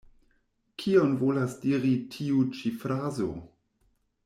Kion volas diri tiu ĉi frazo?